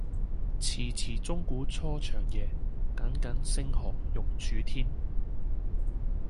遲遲鐘鼓初長夜，耿耿星河欲曙天。